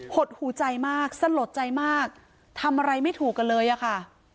หดหูใจมากสลดใจมากทำอะไรไม่ถูกกันเลยอะค่ะ